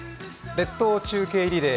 「列島中継リレー」